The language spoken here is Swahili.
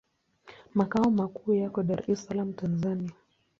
Makao makuu yako Dar es Salaam, Tanzania.